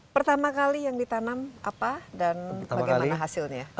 pertama kali yang ditanam apa dan bagaimana hasilnya